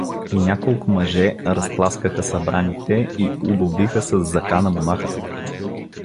И няколко мъже разтласкаха събраните и уловиха със закана монаха.